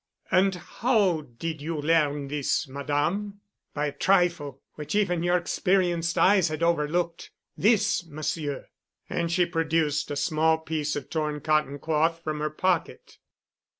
"And how did you learn this, Madame?" "By a trifle which even your experienced eyes had overlooked. This, Monsieur——" And she produced the small piece of torn cotton cloth from her pocket.